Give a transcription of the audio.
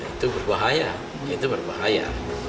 itu berbahaya itu berbahaya